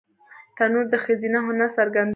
تنور د ښځینه هنر څرګندونه ده